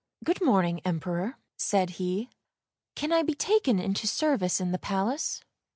" Good morning, Emperor," said he; " can I be taken into service in the palace?